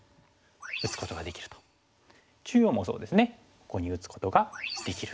ここに打つことができる。